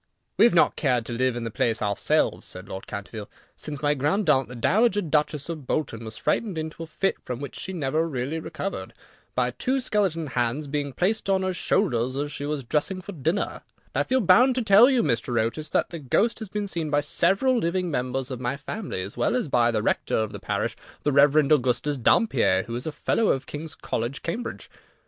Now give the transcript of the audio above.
"We have not cared to live in the place ourselves," said Lord Canterville, "since my grandaunt, the Dowager Duchess of Bolton, was frightened into a fit, from which she never really recovered, by two skeleton hands being placed on her shoulders as she was dressing for dinner, and I feel bound to tell you, Mr. Otis, that the ghost has been seen by several living members of my family, as well as by the rector of the parish, the Rev. Augustus Dampier, who is a Fellow of King's College, Cambridge.